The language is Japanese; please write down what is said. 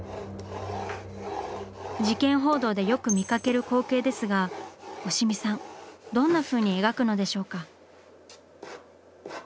事件報道でよく見かける光景ですが押見さんどんなふうに描くのでしょうか？